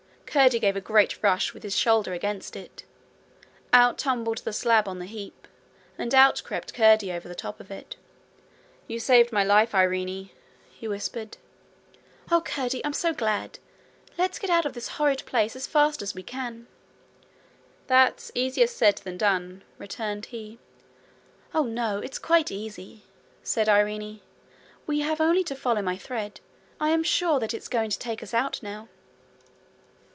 Curdie gave a great rush with his shoulder against it. Out tumbled the slab on the heap, and out crept Curdie over the top of it. 'You've saved my life, Irene!' he whispered. 'Oh, Curdie! I'm so glad! Let's get out of this horrid place as fast as we can.' 'That's easier said than done,' returned he. 'Oh, no, it's quite easy,' said Irene. 'We have only to follow my thread. I am sure that it's going to take us out now.'